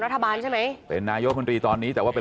รัฐบาลใช่ไหมเช่นตอนนี้แต่ว่าเป็น